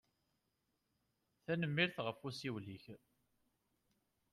Tanemmirt ɣef usiwel-ik.